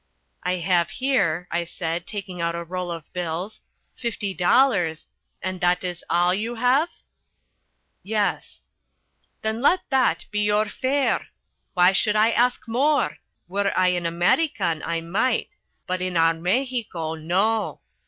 "I have here," I said, taking out a roll of bills, "fifty dollars " "And that is all you have?" "Yes." "Then let that be your fare! Why should I ask more? Were I an American, I might; but in our Mexico, no.